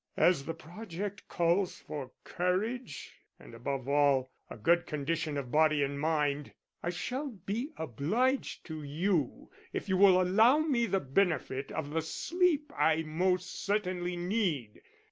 As the project calls for courage and, above all, a good condition of body and mind, I shall be obliged to you if you will allow me the benefit of the sleep I most certainly need.